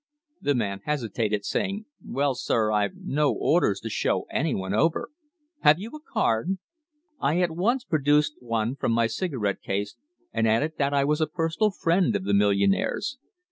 The man hesitated, saying: "Well, sir, I've no orders to show anyone over. Have you a card?" I at once produced one from my cigarette case, and added that I was a personal friend of the millionaire's.